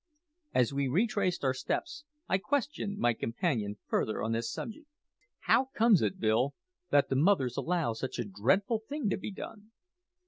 As we retraced our steps I questioned my companion further on this subject. "How comes it, Bill, that the mothers allow such a dreadful thing to be done?"